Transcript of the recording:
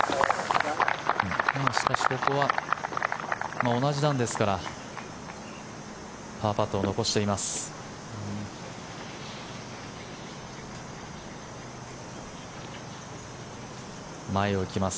しかしここは同じ段ですからパーパットを残しています。